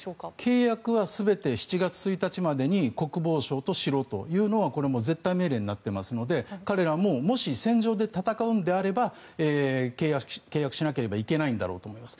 契約は全て７月１日までに国防省としろというのが絶対命令になっていますので彼らももし戦場で戦うんであれば契約しなければいけないんだろうと思います。